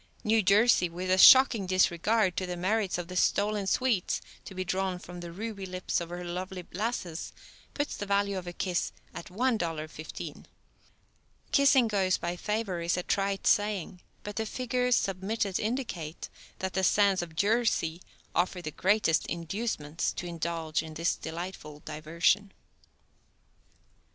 New Jersey, with a shocking disregard to the merits of the stolen sweets to be drawn from the ruby lips of her lovely lasses, puts the value of a kiss at $1.15. Kissing goes by favor is a trite saying, but the figures submitted indicate that the sands of Jersey offer the greatest inducements to indulge in this delightful diversion.